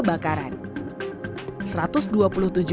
bapak ada berapa banyak orang